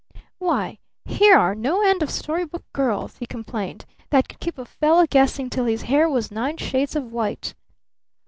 "Why here are no end of story book girls," he complained, "that could keep a fellow guessing till his hair was nine shades of white!